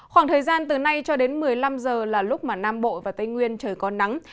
khoảng thời gian từ nay cho đến một mươi năm giờ là lúc mà nam bộ và tây nguyên trời có nắng